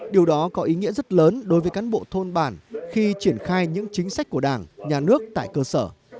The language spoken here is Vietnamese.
điều đó có ý nghĩa rất lớn đối với cán bộ thôn bản khi triển khai những chính sách của đảng nhà nước tại cơ sở